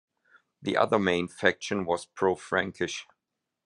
The other main faction was pro-Frankish.